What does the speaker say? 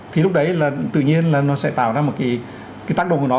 thì lúc đấy tự nhiên nó sẽ tạo ra một cái tác động của nó